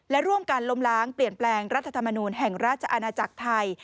และร่วมกันล้มล้างเปลี่ยนแปลงรัฐธรรมนูลแห่งราชอาณาจักรไทย